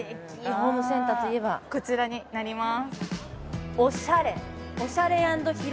ホームセンターといえばこちらになります